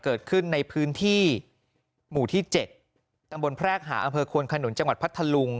เกิดขึ้นในพื้นที่หมู่ที่๗ตำบลแพรกหาอำเภอควนขนุนจังหวัดพัทธลุง